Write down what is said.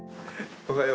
おはよう。